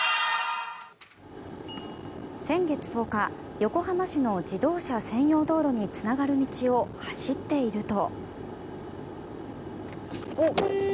先月１０日、横浜市の自動車専用道路につながる道を走っていると。